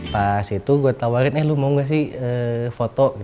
pas itu gue tawarin eh lu mau gak sih foto